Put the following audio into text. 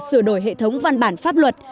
sửa đổi hệ thống văn bản pháp luật